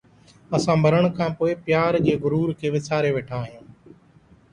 اسان مرڻ کان پوءِ پيار جي غرور کي وساري ويٺا آهيون